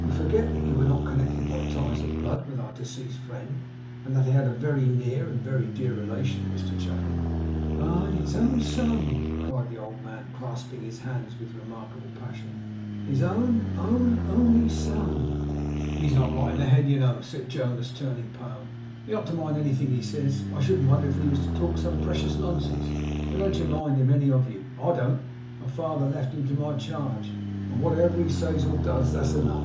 You forget that you were not connected by ties of blood with our deceased friend; and that he had a very near and very dear relation, Mr Chuffey.' 'Aye, his own son!' cried the old man, clasping his hands with remarkable passion. 'His own, own, only son!' 'He's not right in his head, you know,' said Jonas, turning pale. 'You're not to mind anything he says. I shouldn't wonder if he was to talk some precious nonsense. But don't you mind him, any of you. I don't. My father left him to my charge; and whatever he says or does, that's enough.